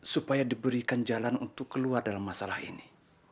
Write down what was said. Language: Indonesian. supaya diberikan jalan untuk keluar dalam masalah ini